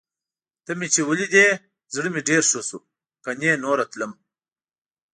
ته مې چې ولیدې، زړه مې ډېر ښه شو. کني نوره تلم.